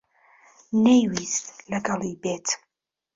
نەیویست لەگەڵی بێت.